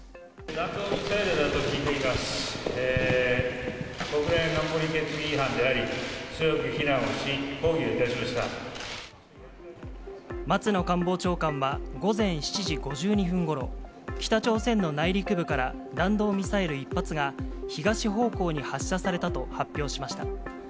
国連安保理決議違反であり、強く非難をし、松野官房長官は午前７時５２分ごろ、北朝鮮の内陸部から弾道ミサイル１発が、東方向に発射されたと発表しました。